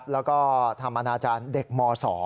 แล้วก็ทำอนาจารย์เด็กม๒